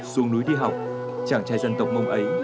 xuống núi đi học chàng trai dân tộc mông ấy